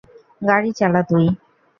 গাড়ি চালা তুই!